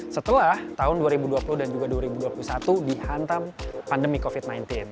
setelah tahun dua ribu dua puluh dan juga dua ribu dua puluh satu dihantam pandemi covid sembilan belas